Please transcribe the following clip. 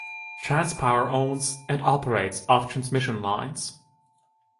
Transpower owns and operates of transmission lines.